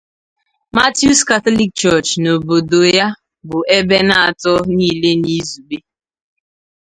Mattew's Catholic Church' na n'obodo ya bụ Ebenator niile n'izugbe.